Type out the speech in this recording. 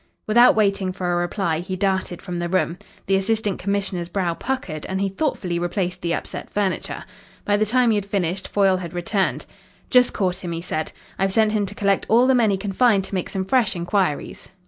Without waiting for a reply, he darted from the room. The Assistant Commissioner's brow puckered and he thoughtfully replaced the upset furniture. By the time he had finished Foyle had returned. "Just caught him," he said. "I've sent him to collect all the men he can find to make some fresh inquiries."